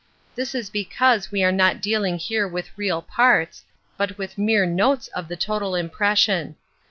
This is because we are not dealing here with real parts, but with mere notes of the total impression.